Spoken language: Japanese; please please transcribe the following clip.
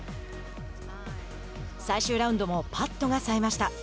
最終ラウンドもパットがさえました。